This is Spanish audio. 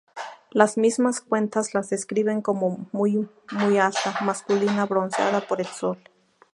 Las mismas cuentas la describen como "muy alta, masculina, bronceada por el sol".